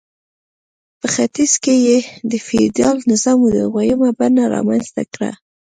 په ختیځ کې یې د فیوډالي نظام دویمه بڼه رامنځته کړه.